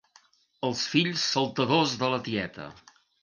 Els fills saltadors de la tieta.